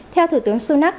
theo thủ tướng sunak